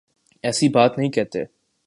ایسی بات نہیں کہتے